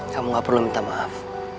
kamu gak perlu minta maaf